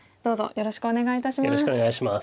よろしくお願いします。